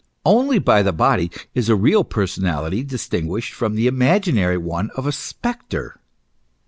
Only by the body, is a real personality distinguished from the imaginary one of a spectre.